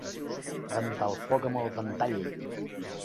Ventar el foc amb el ventall.